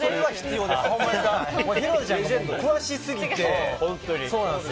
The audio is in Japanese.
紘菜ちゃんが詳しすぎて。